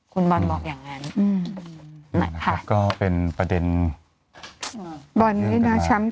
คุณบอลบอกอย่างนั้นนะคะก็เป็นประเด็นบอลนี้นะ